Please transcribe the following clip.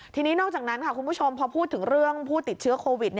ทีนี้นอกจากนั้นค่ะคุณผู้ชมพอพูดถึงเรื่องผู้ติดเชื้อโควิด